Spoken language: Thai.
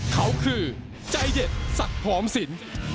เขาคือใจเด็ดสัตว์พร้อมสิน